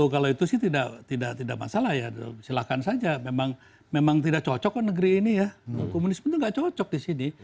kalau itu sih tidak masalah ya silahkan saja memang tidak cocok kok negeri ini ya komunisme itu nggak cocok di sini